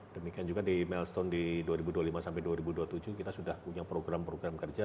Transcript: demikian juga di milestone di dua ribu dua puluh lima sampai dua ribu dua puluh tujuh kita sudah punya program program kerja